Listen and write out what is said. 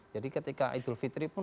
jadi ketika idul fitri pun